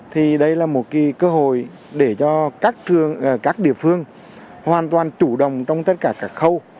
thì đây là một cơ hội để cho các địa phương hoàn toàn chủ đồng trong tất cả các khâu